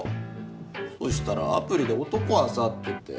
そしたらアプリで男漁ってて。